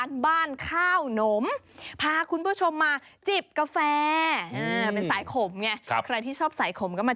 ทานขนมไทยโบราณแบบนี้คุณ